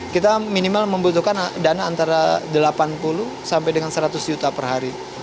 kita minimal membutuhkan dana antara delapan puluh sampai dengan seratus juta per hari